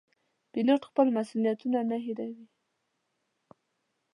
پیلوټ خپل مسوولیتونه نه هېروي.